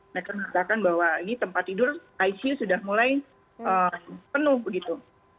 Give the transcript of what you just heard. mereka mengatakan bahwa ini tempat tidur icu sudah mulai penuh begitu